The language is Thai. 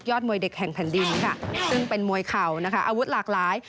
ยอดมวยเด็กแห่งแผ่นดินซึ่งเป็นมวยเข่าอาวุธหลากหลาย